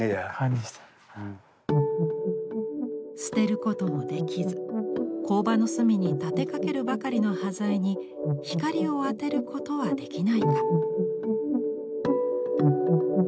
捨てることもできず工場の隅に立てかけるばかりの端材に光を当てることはできないか？